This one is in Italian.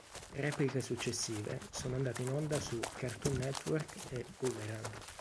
Repliche successive sono andate in onda su Cartoon Network e Boomerang.